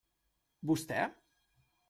Vostè?